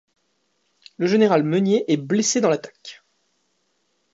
Le général Meunier est blessé dans l'attaque.